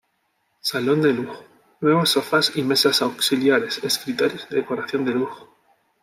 Salón de Lujo: Nuevos sofás y mesas auxiliares, escritorios y decoración de lujo.